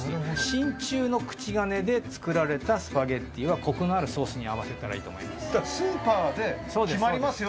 真鍮の口金で作られたスパゲティはコクのあるソースに合わせたらいいと思います。